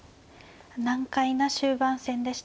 難解な終盤戦でした。